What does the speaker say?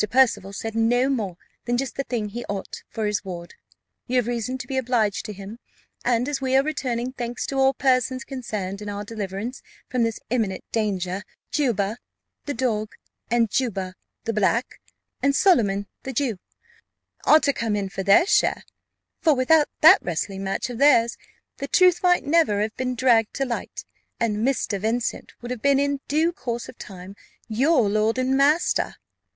Percival said no more than just the thing he ought, for his ward. You have reason to be obliged to him: and as we are returning thanks to all persons concerned in our deliverance from this imminent danger, Juba, the dog, and Juba, the black, and Solomon, the Jew, ought to come in for their share; for without that wrestling match of theirs, the truth might never have been dragged to light, and Mr. Vincent would have been in due course of time your lord and master.